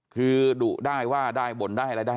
คือดุได้ว่าได้บ่นได้อะไรได้